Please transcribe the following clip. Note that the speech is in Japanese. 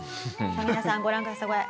さあ皆さんご覧ください